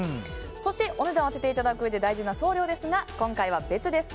そしてお値段を当てていただくうえで大事な送料ですが今回は、別です。